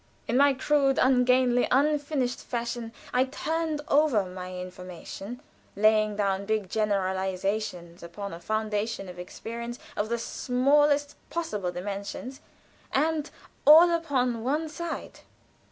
In my crude, ungainly, unfinished fashion I turned over my information, laying down big generalizations upon a foundation of experience of the smallest possible dimensions, and all upon one side."